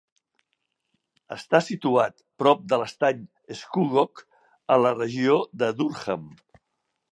Està situat prop de l'estany Scugog a la regió de Durham.